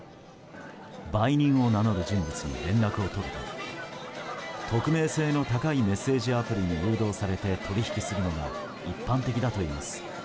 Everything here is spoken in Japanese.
売人を名乗る人物に連絡を取ると匿名性の高いメッセージアプリに誘導されて取引するのが一般的だといいます。